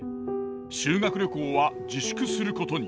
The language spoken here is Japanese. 修学旅行は自粛することに。